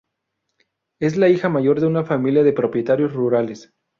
Es la hija mayor de una familia de propietarios rurales.